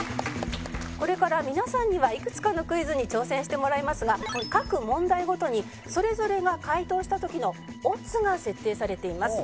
これから皆さんにはいくつかのクイズに挑戦してもらいますが各問題ごとにそれぞれが解答した時のオッズが設定されています。